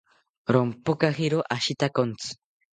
Rompojakiro ashitakontzi